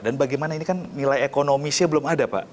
dan bagaimana ini kan nilai ekonomisnya belum ada pak